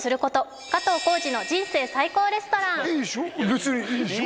別にいいでしょ？